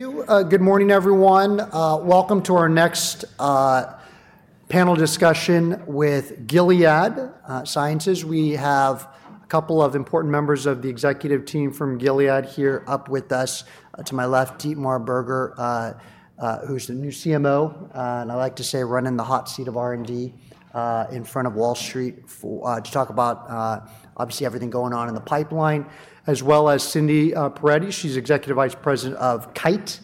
Good morning, everyone. Welcome to our next panel discussion with Gilead Sciences. We have a couple of important members of the executive team from Gilead here up with us. To my left, Dietmar Berger, who's the new CMO, and I like to say running the hot seat of R&D in front of Wall Street to talk about, obviously, everything going on in the pipeline, as well as Cindy Perettie. She's Executive Vice President of Kite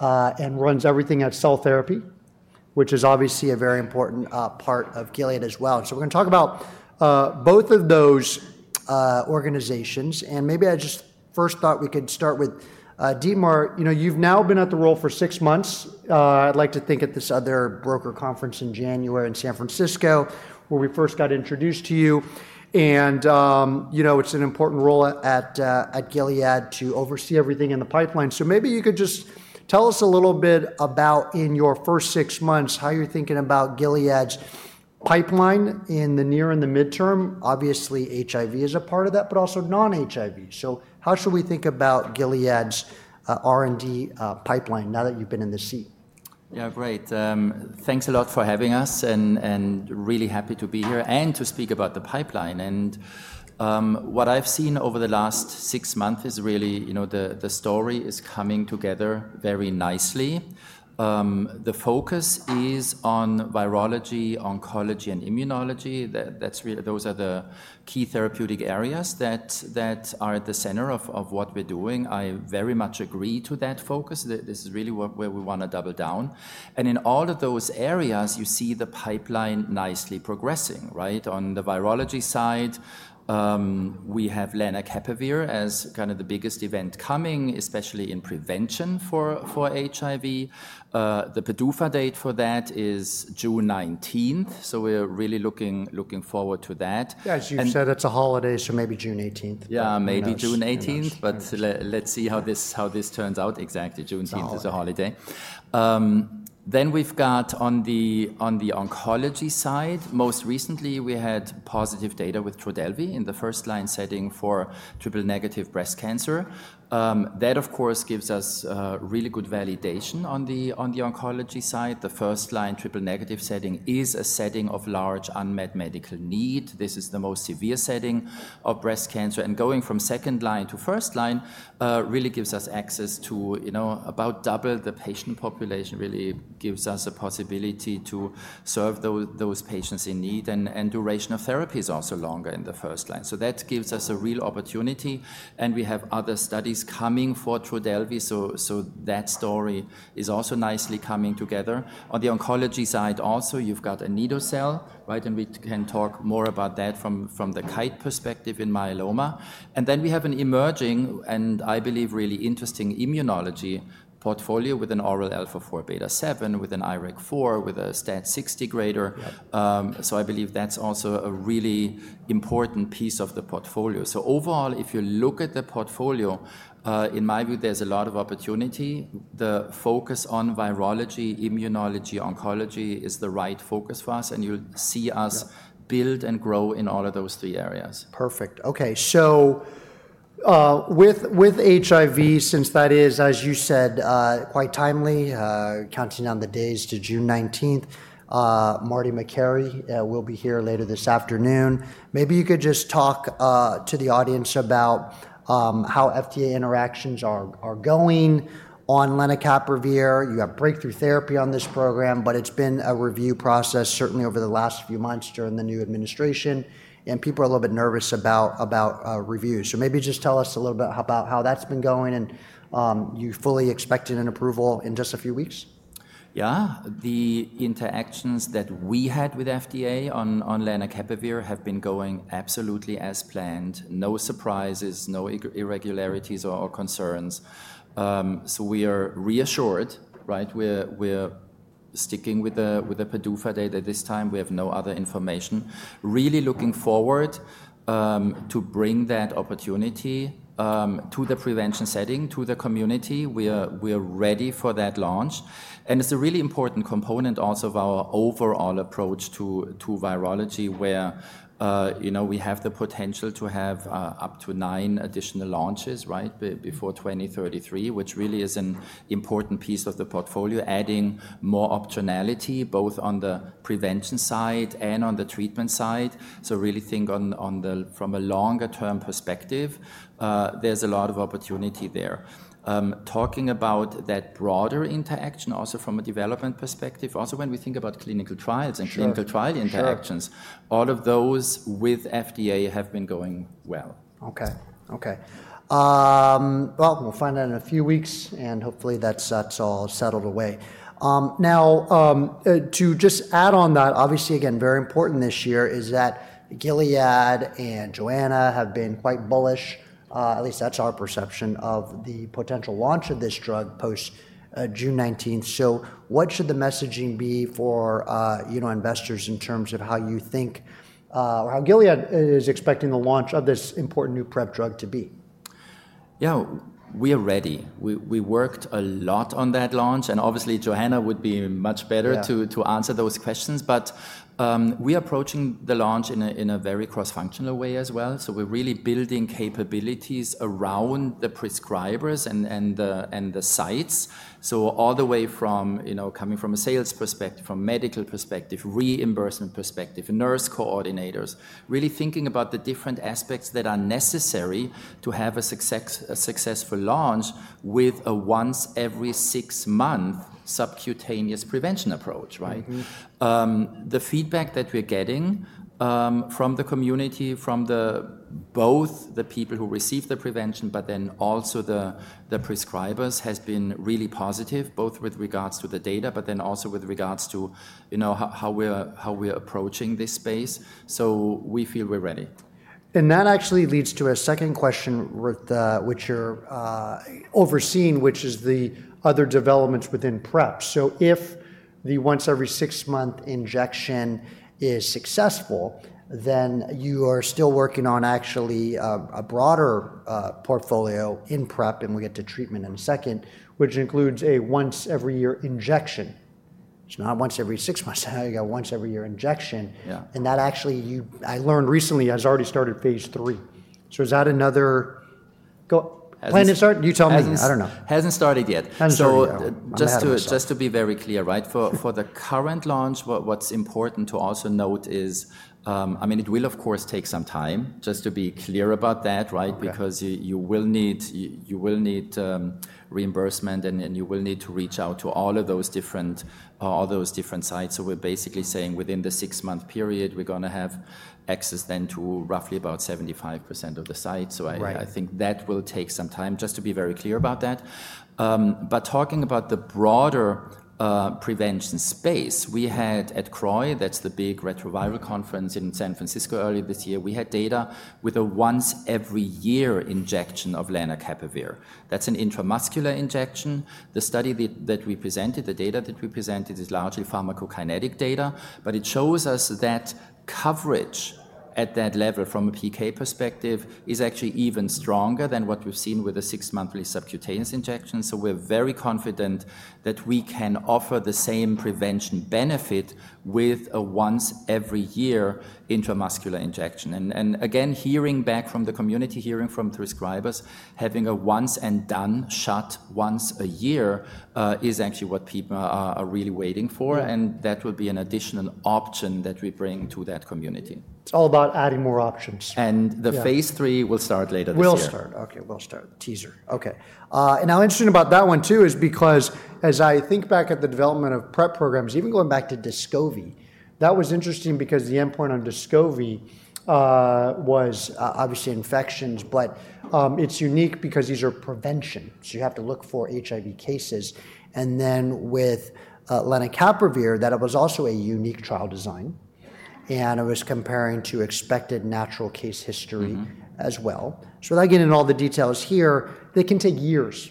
and runs everything at Cell Therapy, which is obviously a very important part of Gilead as well. We are going to talk about both of those organizations. Maybe I just first thought we could start with Dietmar. You've now been at the role for six months. I'd like to think at this other broker conference in January in San Francisco where we first got introduced to you. It's an important role at Gilead to oversee everything in the pipeline. Maybe you could just tell us a little bit about, in your first six months, how you're thinking about Gilead's pipeline in the near and the midterm. Obviously, HIV is a part of that, but also non-HIV. How should we think about Gilead's R&D pipeline now that you've been in the seat? Yeah, great. Thanks a lot for having us and really happy to be here and to speak about the pipeline. What I've seen over the last six months is really the story is coming together very nicely. The focus is on virology, oncology, and immunology. Those are the key therapeutic areas that are at the center of what we're doing. I very much agree to that focus. This is really where we want to double down. In all of those areas, you see the pipeline nicely progressing, right? On the virology side, we have lenacapavir as kind of the biggest event coming, especially in prevention for HIV. The PDUFA date for that is June 19th. We are really looking forward to that. Yeah, as you said, it's a holiday, so maybe June 18th. Yeah, maybe June 18th, but let's see how this turns out. Exactly, June 18th is a holiday. We have on the oncology side, most recently, we had positive data with TRODELVY in the first-line setting for triple-negative breast cancer. That, of course, gives us really good validation on the oncology side. The first-line triple-negative setting is a setting of large unmet medical need. This is the most severe setting of breast cancer. Going from second-line to first-line really gives us access to about double the patient population, really gives us a possibility to serve those patients in need. Duration of therapy is also longer in the first line. That gives us a real opportunity. We have other studies coming for TRODELVY. That story is also nicely coming together. On the oncology side also, you've got Anito-cel, right? We can talk more about that from the Kite perspective in myeloma. We have an emerging, and I believe really interesting immunology portfolio with an oral alpha-4 beta-7, with an IRAK4, with a STAT6 degrader. I believe that's also a really important piece of the portfolio. Overall, if you look at the portfolio, in my view, there's a lot of opportunity. The focus on virology, immunology, oncology is the right focus for us. You'll see us build and grow in all of those three areas. Perfect. Okay. With HIV, since that is, as you said, quite timely, counting down the days to June 19th, Marty McHerry will be here later this afternoon. Maybe you could just talk to the audience about how FDA interactions are going on lenacapavir. You have breakthrough therapy on this program, but it has been a review process certainly over the last few months during the new administration. People are a little bit nervous about review. Maybe just tell us a little bit about how that's been going. You fully expected an approval in just a few weeks? Yeah. The interactions that we had with FDA on lenacapavir have been going absolutely as planned. No surprises, no irregularities or concerns. So we are reassured, right? We're sticking with the PDUFA date this time. We have no other information. Really looking forward to bring that opportunity to the prevention setting, to the community. We're ready for that launch. And it's a really important component also of our overall approach to virology, where we have the potential to have up to nine additional launches, right, before 2033, which really is an important piece of the portfolio, adding more optionality both on the prevention side and on the treatment side. So really think from a longer-term perspective. There's a lot of opportunity there. Talking about that broader interaction also from a development perspective, also when we think about clinical trials and clinical trial interactions, all of those with FDA have been going well. Okay. Okay. We'll find out in a few weeks. Hopefully, that's all settled away. Now, to just add on that, obviously, again, very important this year is that Gilead and Johanna have been quite bullish, at least that's our perception of the potential launch of this drug post-June 19th. What should the messaging be for investors in terms of how you think or how Gilead is expecting the launch of this important new PrEP drug to be? Yeah, we are ready. We worked a lot on that launch. Obviously, Johanna would be much better to answer those questions. We are approaching the launch in a very cross-functional way as well. We are really building capabilities around the prescribers and the sites. All the way from coming from a sales perspective, from a medical perspective, reimbursement perspective, nurse coordinators, really thinking about the different aspects that are necessary to have a successful launch with a once-every-six-month subcutaneous prevention approach, right? The feedback that we're getting from the community, from both the people who receive the prevention, but then also the prescribers, has been really positive, both with regards to the data, but then also with regards to how we're approaching this space. We feel we're ready. That actually leads to a second question with which you're overseeing, which is the other developments within PrEP. If the once-every-six-month injection is successful, then you are still working on actually a broader portfolio in PrEP. We'll get to treatment in a second, which includes a once-every-year injection. It's not once every six months. You got a once-every-year injection. That actually, I learned recently, has already started phase three. Is that another plan to start? You tell me. Hasn't started yet. Just to be very clear, right? For the current launch, what's important to also note is, I mean, it will, of course, take some time, just to be clear about that, right? Because you will need reimbursement, and you will need to reach out to all of those different sites. We're basically saying within the six-month period, we're going to have access then to roughly about 75% of the sites. I think that will take some time, just to be very clear about that. Talking about the broader prevention space, we had at CROI, that's the big retroviral conference in San Francisco earlier this year, we had data with a once-every-year injection of lenacapavir. That's an intramuscular injection. The study that we presented, the data that we presented is largely pharmacokinetic data. It shows us that coverage at that level from a PK perspective is actually even stronger than what we've seen with a six-monthly subcutaneous injection. We are very confident that we can offer the same prevention benefit with a once-every-year intramuscular injection. Again, hearing back from the community, hearing from prescribers, having a once-and-done shot once a year is actually what people are really waiting for. That will be an additional option that we bring to that community. It's all about adding more options. The phase three will start later this year. Will start. Okay. Will start. Teaser. Okay. Now, interesting about that one, too, is because as I think back at the development of PrEP programs, even going back to DESCOVY, that was interesting because the endpoint on DESCOVY was obviously infections. It is unique because these are prevention, so you have to look for HIV cases. With lenacapavir, that was also a unique trial design, and it was comparing to expected natural case history as well. Without getting into all the details here, they can take years.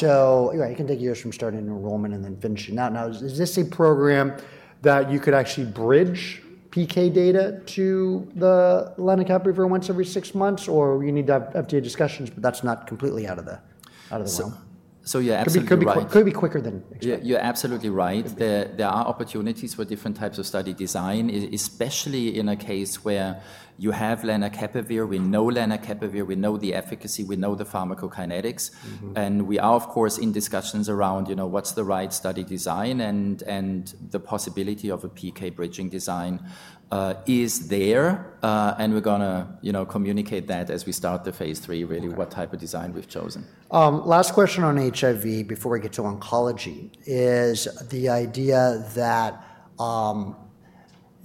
It can take years from starting enrollment and then finishing out. Now, is this a program that you could actually bridge PK data to the lenacapavir once every six months, or you need to have FDA discussions, but that is not completely out of the way. Yeah, absolutely quick. Could be quicker than expected. You're absolutely right. There are opportunities for different types of study design, especially in a case where you have lenacapavir. We know lenacapavir. We know the efficacy. We know the pharmacokinetics. We are, of course, in discussions around what's the right study design. The possibility of a PK bridging design is there. We're going to communicate that as we start the phase three, really, what type of design we've chosen. Last question on HIV before we get to oncology is the idea that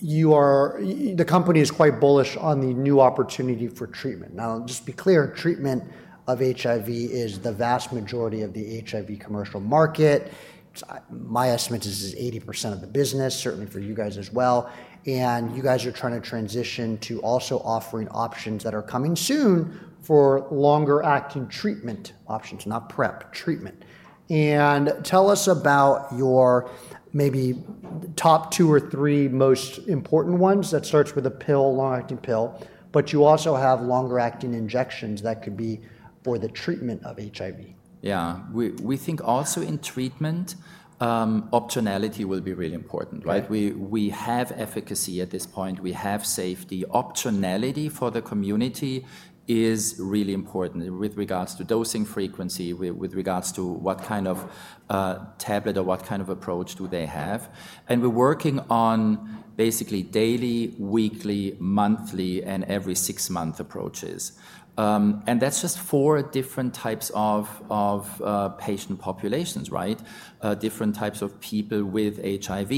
the company is quite bullish on the new opportunity for treatment. Now, just to be clear, treatment of HIV is the vast majority of the HIV commercial market. My estimate is 80% of the business, certainly for you guys as well. You guys are trying to transition to also offering options that are coming soon for longer-acting treatment options, not PrEP treatment. Tell us about your maybe top two or three most important ones. That starts with a long-acting pill. You also have longer-acting injections that could be for the treatment of HIV. Yeah. We think also in treatment, optionality will be really important, right? We have efficacy at this point. We have safety. Optionality for the community is really important with regards to dosing frequency, with regards to what kind of tablet or what kind of approach do they have. We are working on basically daily, weekly, monthly, and every six-month approaches. That is just four different types of patient populations, right? Different types of people with HIV.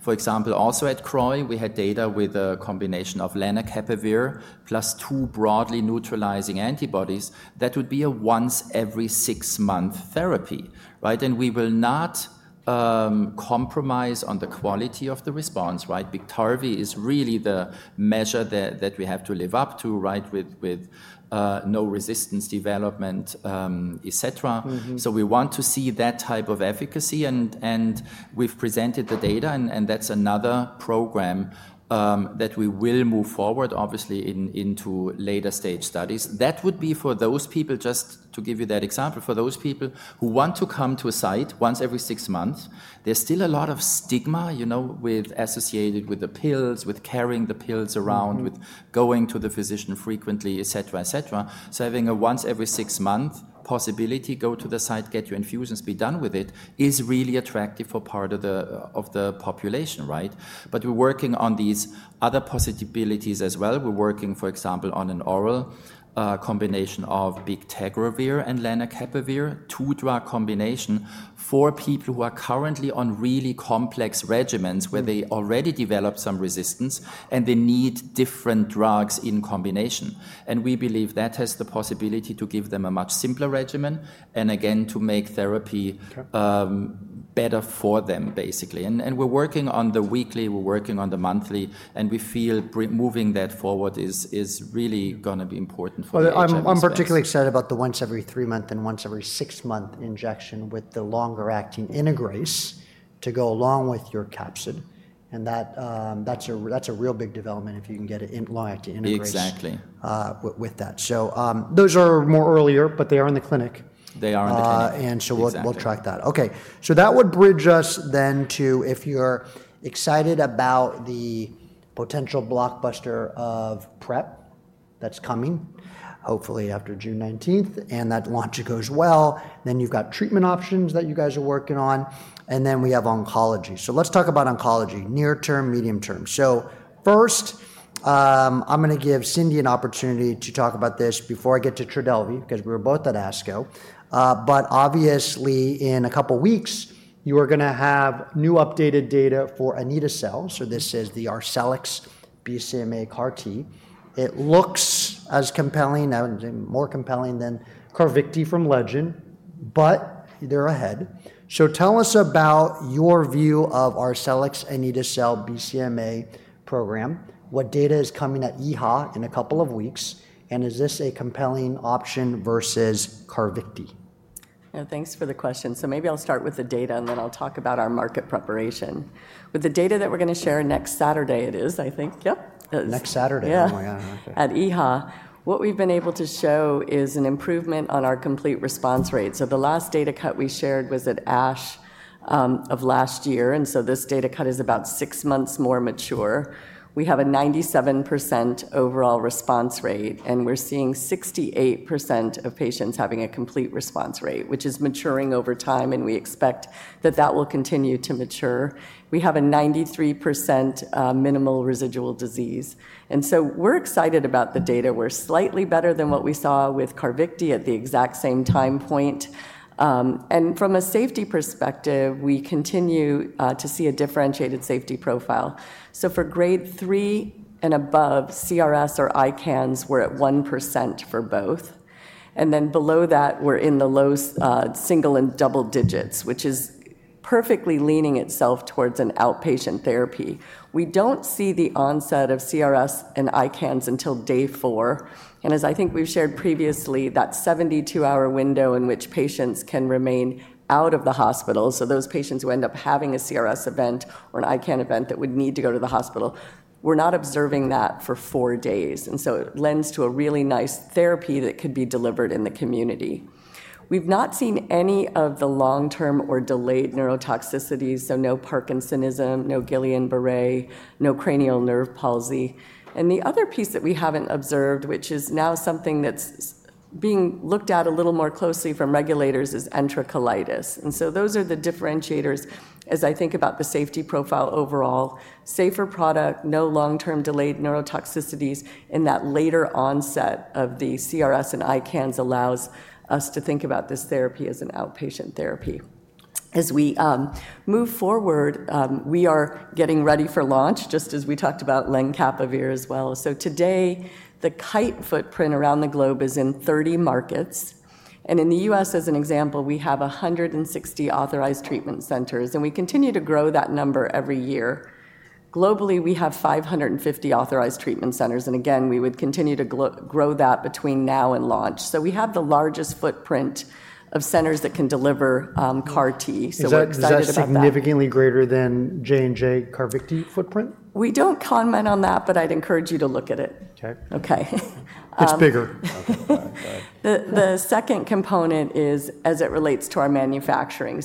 For example, also at CROI, we had data with a combination of lenacapavir plus two broadly neutralizing antibodies that would be a once-every-six-month therapy, right? We will not compromise on the quality of the response, right? BIKTARVY is really the measure that we have to live up to, right, with no resistance development, et cetera. We want to see that type of efficacy. We have presented the data. That is another program that we will move forward, obviously, into later-stage studies. That would be for those people, just to give you that example, for those people who want to come to a site once every six months. There is still a lot of stigma associated with the pills, with carrying the pills around, with going to the physician frequently, et cetera, et cetera. Having a once-every-six-month possibility, go to the site, get your infusions, be done with it, is really attractive for part of the population, right? We are working on these other possibilities as well. We are working, for example, on an oral combination of bictegravir and lenacapavir, two-drug combination for people who are currently on really complex regimens where they already developed some resistance and they need different drugs in combination. We believe that has the possibility to give them a much simpler regimen and, again, to make therapy better for them, basically. We are working on the weekly. We are working on the monthly. We feel moving that forward is really going to be important for the patient. I'm particularly excited about the once-every-three-month and once-every-six-month injection with the longer-acting integrase to go along with your capsid. That's a real big development if you can get a long-acting integrase. Exactly. With that. So those are more earlier, but they are in the clinic. They are in the clinic. We'll track that. Okay. That would bridge us then to if you're excited about the potential blockbuster of PrEP that's coming, hopefully after June 19, and that launch goes well, then you've got treatment options that you guys are working on. We have oncology. Let's talk about oncology, near-term, medium-term. First, I'm going to give Cindy an opportunity to talk about this before I get to TRODELVY because we were both at ASCO. Obviously, in a couple of weeks, you are going to have new updated data for Anito-cel. This is the Arcellx BCMA CAR-T. It looks as compelling, more compelling than CARVYKTI from Legend, but they're ahead. Tell us about your view of Arcellx Anito-cel BCMA program, what data is coming at EHA in a couple of weeks, and is this a compelling option versus CARVYKTI? Thanks for the question. Maybe I'll start with the data, and then I'll talk about our market preparation. With the data that we're going to share next Saturday, it is, I think. Yep. Next Saturday. Yeah. At EHA. What we've been able to show is an improvement on our complete response rate. The last data cut we shared was at ASH of last year. This data cut is about six months more mature. We have a 97% overall response rate. We're seeing 68% of patients having a complete response rate, which is maturing over time. We expect that that will continue to mature. We have a 93% minimal residual disease. We're excited about the data. We're slightly better than what we saw with CARVYKTI at the exact same time point. From a safety perspective, we continue to see a differentiated safety profile. For grade three and above, CRS or ICANS were at 1% for both. Below that, we're in the low single and double digits, which is perfectly leaning itself towards an outpatient therapy. We do not see the onset of CRS and ICANS until day four. As I think we have shared previously, that 72-hour window in which patients can remain out of the hospital, those patients who end up having a CRS event or an ICANS event that would need to go to the hospital, we are not observing that for four days. It lends to a really nice therapy that could be delivered in the community. We have not seen any of the long-term or delayed neurotoxicities, so no Parkinsonism, no Guillain-Barré, no cranial nerve palsy. The other piece that we have not observed, which is now something that is being looked at a little more closely from regulators, is enterocolitis. Those are the differentiators as I think about the safety profile overall. Safer product, no long-term delayed neurotoxicities in that later onset of the CRS and ICANS allows us to think about this therapy as an outpatient therapy. As we move forward, we are getting ready for launch, just as we talked about lenacapavir as well. Today, the Kite footprint around the globe is in 30 markets. In the U.S., as an example, we have 160 authorized treatment centers. We continue to grow that number every year. Globally, we have 550 authorized treatment centers. We would continue to grow that between now and launch. We have the largest footprint of centers that can deliver CAR-T. We are excited about that. Is that significantly greater than J&J CARVYKTI footprint? We don't comment on that, but I'd encourage you to look at it. Okay. Okay. It's bigger. The second component is as it relates to our manufacturing.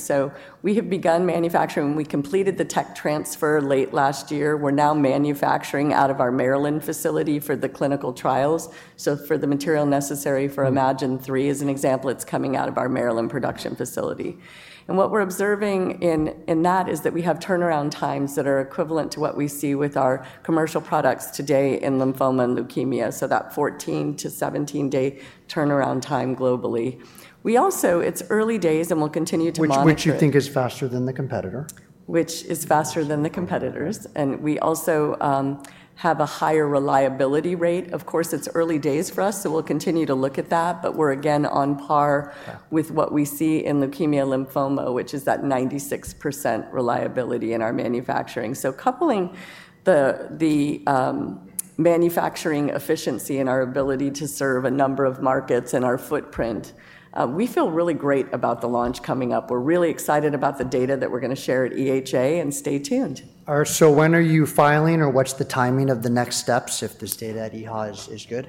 We have begun manufacturing. We completed the tech transfer late last year. We are now manufacturing out of our Maryland facility for the clinical trials. For the material necessary for iMMagine-3, as an example, it is coming out of our Maryland production facility. What we are observing in that is that we have turnaround times that are equivalent to what we see with our commercial products today in lymphoma and leukemia. That 14-17 day turnaround time globally. It is early days, and we will continue to monitor. Which you think is faster than the competitor? Which is faster than the competitors. We also have a higher reliability rate. Of course, it's early days for us. We'll continue to look at that. We're again on par with what we see in leukemia lymphoma, which is that 96% reliability in our manufacturing. Coupling the manufacturing efficiency and our ability to serve a number of markets and our footprint, we feel really great about the launch coming up. We're really excited about the data that we're going to share at EHA. Stay tuned. When are you filing or what's the timing of the next steps if this data at EHA is good?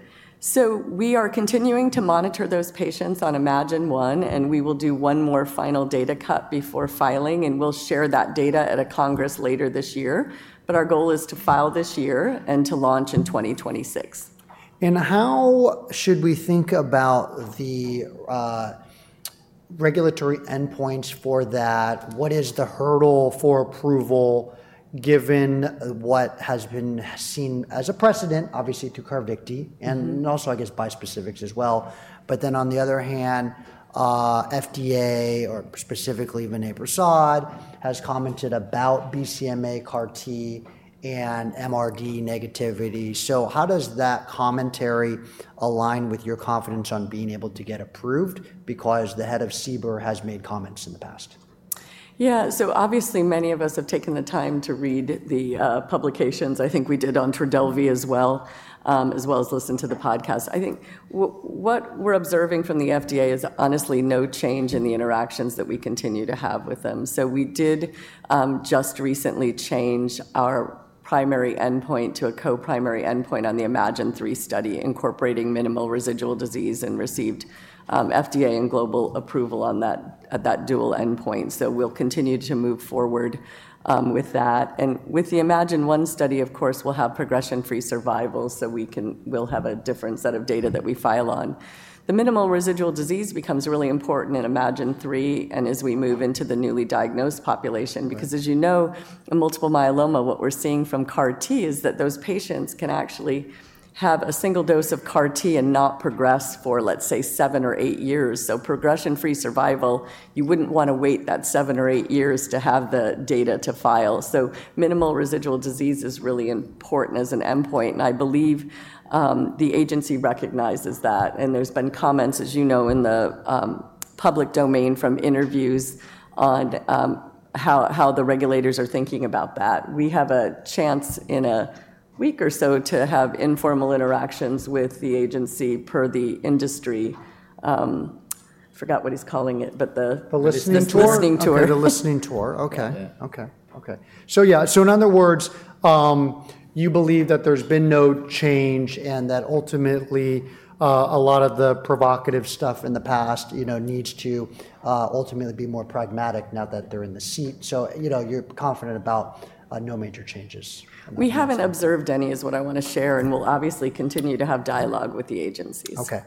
We are continuing to monitor those patients on iMMagine-1. We will do one more final data cut before filing. We will share that data at a congress later this year. Our goal is to file this year and to launch in 2026. How should we think about the regulatory endpoints for that? What is the hurdle for approval given what has been seen as a precedent, obviously, through CARVYKTI and also, I guess, by specifics as well? On the other hand, FDA, or specifically Vinay Prasad, has commented about BCMA CAR-T and MRD negativity. How does that commentary align with your confidence on being able to get approved? The head of CBER has made comments in the past. Yeah. So obviously, many of us have taken the time to read the publications. I think we did on TRODELVY as well, as well as listen to the podcast. I think what we're observing from the FDA is honestly no change in the interactions that we continue to have with them. We did just recently change our primary endpoint to a co-primary endpoint on the iMMagine-3 study, incorporating minimal residual disease and received FDA and global approval at that dual endpoint. We'll continue to move forward with that. With the iMMagine-1 study, of course, we'll have progression-free survival. We'll have a different set of data that we file on. The minimal residual disease becomes really important in iMMagine-3 and as we move into the newly diagnosed population. Because as you know, in multiple myeloma, what we're seeing from CAR-T is that those patients can actually have a single dose of CAR-T and not progress for, let's say, seven or eight years. Progression-free survival, you wouldn't want to wait that seven or eight years to have the data to file. Minimal residual disease is really important as an endpoint. I believe the agency recognizes that. There have been comments, as you know, in the public domain from interviews on how the regulators are thinking about that. We have a chance in a week or so to have informal interactions with the agency per the industry. I forgot what he's calling it, but the. The listening tour. The listening tour. The listening tour. Okay. So in other words, you believe that there's been no change and that ultimately a lot of the provocative stuff in the past needs to ultimately be more pragmatic now that they're in the seat. You're confident about no major changes. We haven't observed any, is what I want to share. We'll obviously continue to have dialogue with the agencies. Okay.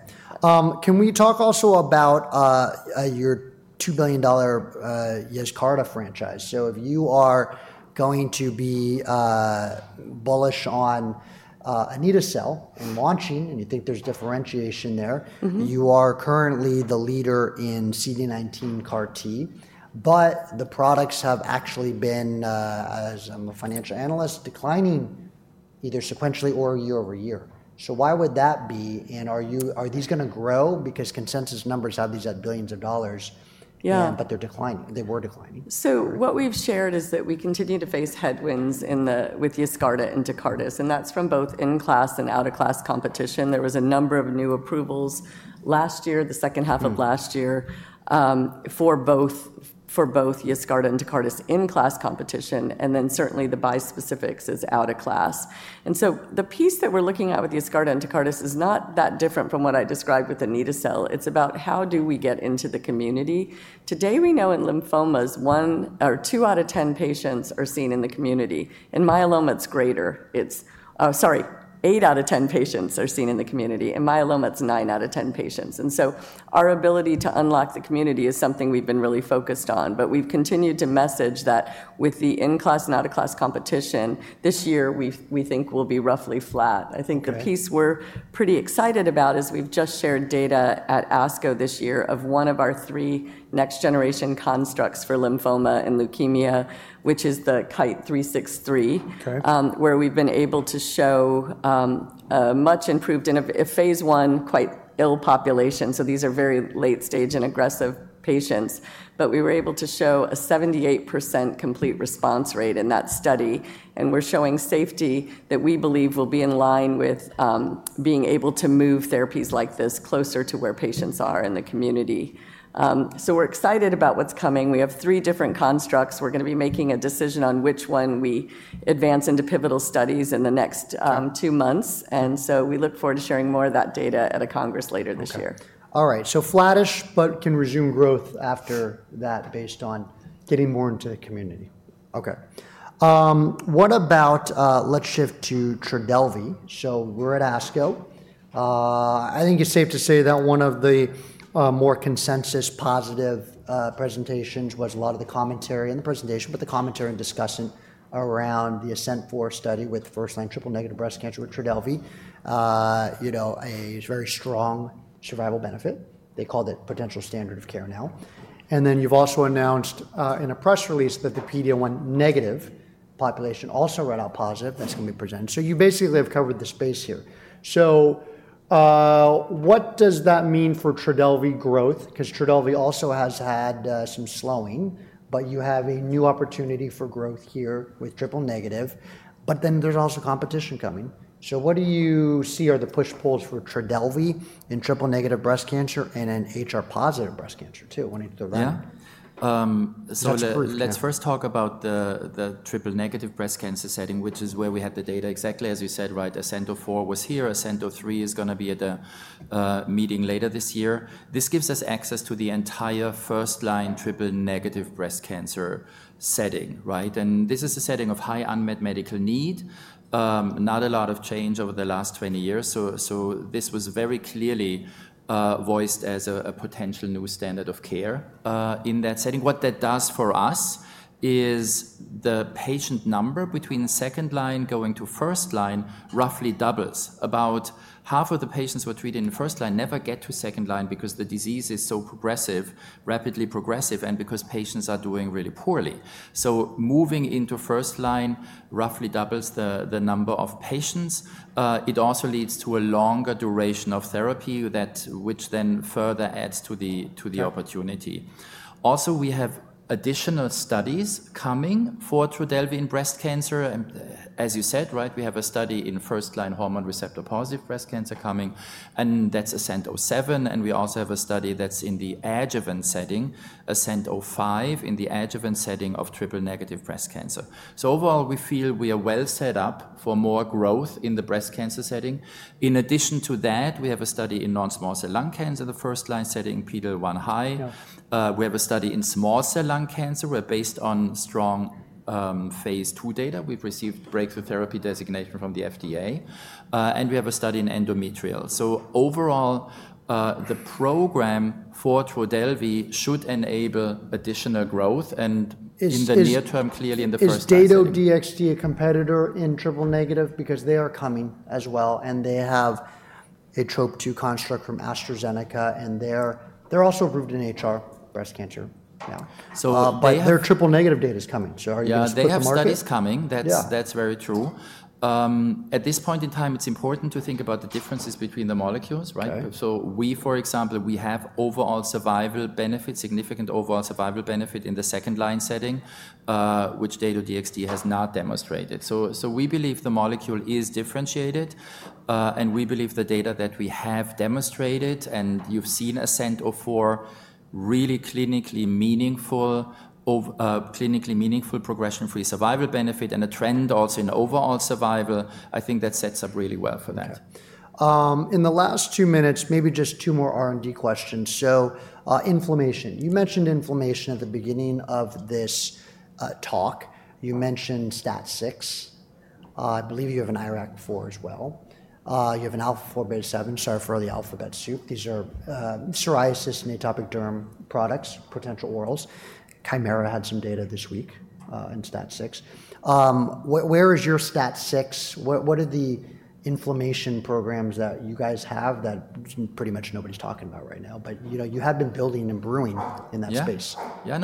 Can we talk also about your $2 billion YESCARTA franchise? If you are going to be bullish on Anito-cel and launching and you think there's differentiation there, you are currently the leader in CD19 CAR-T. The products have actually been, as I'm a financial analyst, declining either sequentially or year over year. Why would that be? Are these going to grow? Consensus numbers have these at billions of dollars. Yeah. They're declining. They were declining. What we've shared is that we continue to face headwinds with YESCARTA and TECARTUS. And that's from both in-class and out-of-class competition. There was a number of new approvals last year, the second half of last year, for both YESCARTA and TECARTUS in-class competition. And then certainly the bispecifics is out-of-class. The piece that we're looking at with YESCARTA and TECARTUS is not that different from what I described with Anito-cel. It's about how do we get into the community. Today, we know in lymphomas, one or two out of 10 patients are seen in the community. In myeloma, it's greater. Sorry, eight out of 10 patients are seen in the community. In myeloma, it's nine out of 10 patients. Our ability to unlock the community is something we've been really focused on. We have continued to message that with the in-class and out-of-class competition, this year, we think we will be roughly flat. I think the piece we are pretty excited about is we have just shared data at ASCO this year of one of our three next-generation constructs for lymphoma and leukemia, which is the Kite 363, where we have been able to show a much improved in a phase one, quite ill population. These are very late-stage and aggressive patients. We were able to show a 78% complete response rate in that study. We are showing safety that we believe will be in line with being able to move therapies like this closer to where patients are in the community. We are excited about what is coming. We have three different constructs. We are going to be making a decision on which one we advance into pivotal studies in the next two months. We look forward to sharing more of that data at a congress later this year. All right. So flattish, but can resume growth after that based on getting more into the community. Okay. What about let's shift to TRODELVY. So we're at ASCO. I think it's safe to say that one of the more consensus positive presentations was a lot of the commentary in the presentation, but the commentary and discussion around the ASCENT-04 study with first-line triple-negative breast cancer with TRODELVY, a very strong survival benefit. They called it potential standard of care now. You have also announced in a press release that the PD-L1 negative population also read out positive. That's going to be presented. You basically have covered the space here. What does that mean for TRODELVY growth? Because TRODELVY also has had some slowing. You have a new opportunity for growth here with triple-negative. There is also competition coming. What do you see are the push pulls for TRODELVY in triple-negative breast cancer and in HR positive breast cancer too? Want to do the round? Yeah. Let's first talk about the triple negative breast cancer setting, which is where we had the data exactly as you said, right? ASCENT-04 was here. ASCENT-03 is going to be at a meeting later this year. This gives us access to the entire first-line triple negative breast cancer setting, right? This is a setting of high unmet medical need, not a lot of change over the last 20 years. This was very clearly voiced as a potential new standard of care in that setting. What that does for us is the patient number between second-line going to first-line roughly doubles. About half of the patients who are treated in first-line never get to second-line because the disease is so progressive, rapidly progressive, and because patients are doing really poorly. Moving into first-line roughly doubles the number of patients. It also leads to a longer duration of therapy, which then further adds to the opportunity. Also, we have additional studies coming for TRODELVY in breast cancer. As you said, right, we have a study in first-line hormone receptor positive breast cancer coming. And that's ASCENT-07. We also have a study that's in the adjuvant setting, ASCENT-05, in the adjuvant setting of triple negative breast cancer. Overall, we feel we are well set up for more growth in the breast cancer setting. In addition to that, we have a study in non-small cell lung cancer, the first-line setting, PD-L1 high. We have a study in small cell lung cancer. We're based on strong phase two data. We've received breakthrough therapy designation from the FDA. We have a study in endometrial. Overall, the program for TRODELVY should enable additional growth. In the near term, clearly in the first-line setting. Is Dato-DXd a competitor in triple negative? Because they are coming as well. They have a TROP2 construct from AstraZeneca. They are also approved in HR breast cancer now. Their triple-negative data is coming. Are you expecting more? Yeah. The study is coming. That's very true. At this point in time, it's important to think about the differences between the molecules, right? For example, we have overall survival benefit, significant overall survival benefit in the second-line setting, which Dato-DXd has not demonstrated. We believe the molecule is differentiated. We believe the data that we have demonstrated and you've seen ASCENT-04 really clinically meaningful progression-free survival benefit and a trend also in overall survival, I think that sets up really well for that. In the last two minutes, maybe just two more R&D questions. Inflammation. You mentioned inflammation at the beginning of this talk. You mentioned STAT6. I believe you have an IRAK4 as well. You have an alpha-4 beta-7, sorry for the alphabet soup. These are psoriasis and atopic derm products, potential orals. Kymera had some data this week in STAT6. Where is your STAT6? What are the inflammation programs that you guys have that pretty much nobody's talking about right now? You have been building and brewing in that space. Yeah.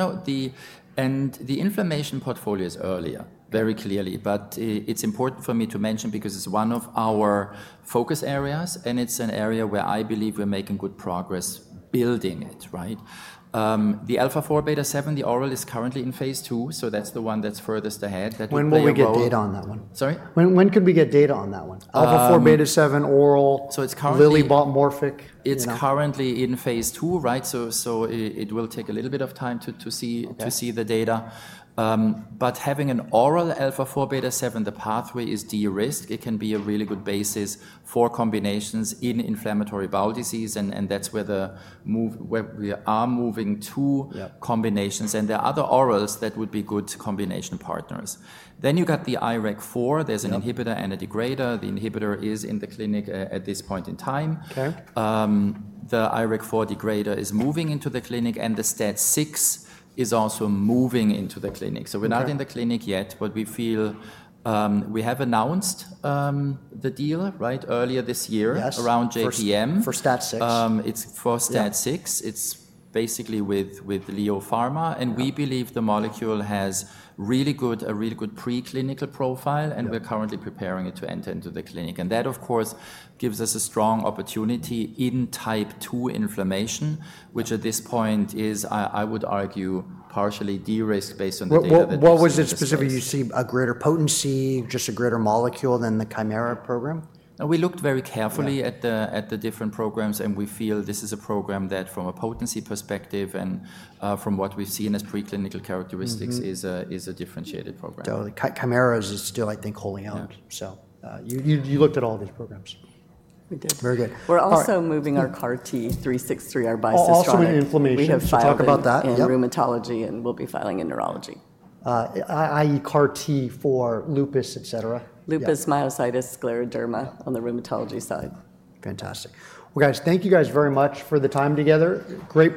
Yeah. The inflammation portfolio is earlier, very clearly. It is important for me to mention because it is one of our focus areas. It is an area where I believe we are making good progress building it, right? The alpha-4 beta-7, the oral, is currently in phase two. That is the one that is furthest ahead. When will we get data on that one? Sorry? When could we get data on that one? Alpha-4 beta-7 oral,[Lily-bar MAb]. It's currently in phase two, right? It will take a little bit of time to see the data. Having an oral alpha-4 beta-7, the pathway is de-risked. It can be a really good basis for combinations in inflammatory bowel disease. That is where we are moving to combinations. There are other orals that would be good combination partners. You have the IRAK4. There is an inhibitor and a degrader. The inhibitor is in the clinic at this point in time. The IRAK4 degrader is moving into the clinic. The STAT6 is also moving into the clinic. We are not in the clinic yet. We feel we have announced the deal, right, earlier this year around JPM. For STAT6? It's for STAT6. It's basically with Liaopharma. We believe the molecule has a really good preclinical profile. We're currently preparing it to enter into the clinic. That, of course, gives us a strong opportunity in type 2 inflammation, which at this point is, I would argue, partially de-risked based on the data that you've seen. What was it specifically? You see a greater potency, just a greater molecule than the Kymera program? We looked very carefully at the different programs. We feel this is a program that, from a potency perspective and from what we've seen as preclinical characteristics, is a differentiated program. Kymera is still, I think, holding out. You looked at all these programs. We did. Very good. We're also moving our CAR-T 363, our BCMA one. Also in inflammation. Can you talk about that? In rheumatology. We will be filing in neurology. I.e., CAR-T for lupus, etc. Lupus, myositis, scleroderma on the rheumatology side. Fantastic. Thank you guys very much for the time together. Great.